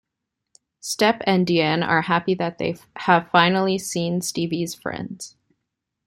Step and DeAnne are happy that they have finally seen Stevie's friends.